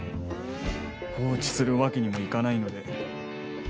放置するわけにもいかないので。